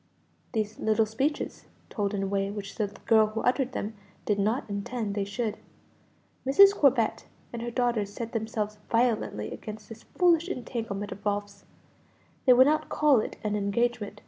These little speeches told in a way which the girl who uttered them did not intend they should. Mrs. Corbet and her daughters set themselves violently against this foolish entanglement of Ralph's; they would not call it an engagement.